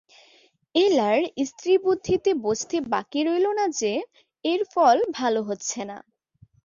এলার স্ত্রীবুদ্ধিতে বুঝতে বাকি রইল না যে, এর ফল ভালো হচ্ছে না।